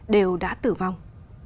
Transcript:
đều đã tử vong